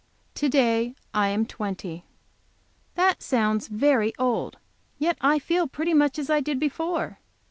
To day I am twenty. That sounds very old, yet I feel pretty much as I did before.